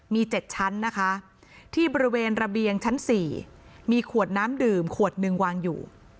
มี๗ชั้นนะคะที่บริเวณระเบียงชั้น๔มีขวดน้ำดื่มขวดหนึ่งวางอยู่